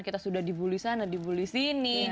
kita sudah dibully sana dibully sini